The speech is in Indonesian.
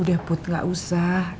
udah put gak usah